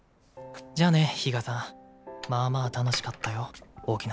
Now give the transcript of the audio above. じゃあね比嘉さん。まあまあ楽しかったよ沖縄。